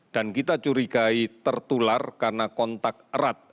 dan kita curigai tertular karena kontak erat